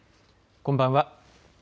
こんばんは。